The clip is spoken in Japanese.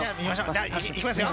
じゃあいきますよ。